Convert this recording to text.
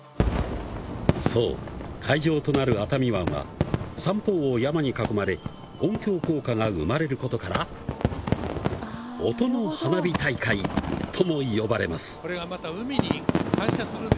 そう、会場となる熱海湾は、三方を山に囲まれ、音響効果が生まれることから、音の花火大会とも呼ばれます。